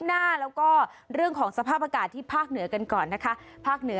ฮัลโหลฮัลโหลฮัลโหลฮัลโหล